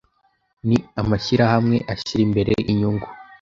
ni amashirahamwe ashira imbere inyungu